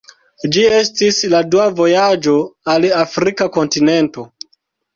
Ĝi estis la dua vojaĝo al Afrika kontinento.